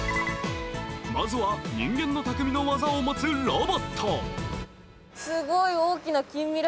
まずは人間の匠の技を持つロボット。